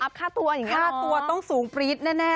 อัพค่าตัวอย่างนั้นเหรอค่าตัวต้องสูงปรี๊ดแน่